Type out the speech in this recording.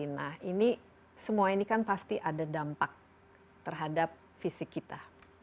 nah ini semua ini kan pasti ada dampak terhadap fisik kita